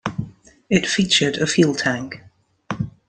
It featured a fuel tank.